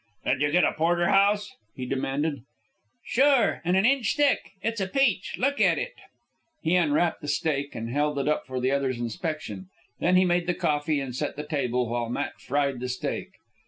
"Did you get a porterhouse?" he demanded. "Sure, an' an inch thick. It's a peach. Look at it." He unwrapped the steak and held it up for the other's inspection. Then he made the coffee and set the table, while Matt fried the steak.